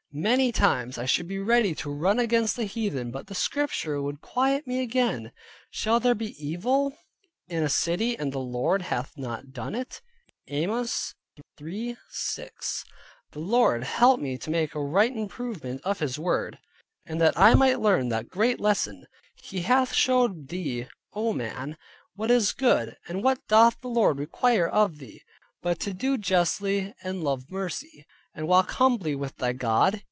Many times I should be ready to run against the heathen, but the Scripture would quiet me again, "Shall there be evil in a City and the Lord hath not done it?" (Amos 3.6). The Lord help me to make a right improvement of His word, and that I might learn that great lesson: "He hath showed thee (Oh Man) what is good, and what doth the Lord require of thee, but to do justly, and love mercy, and walk humbly with thy God?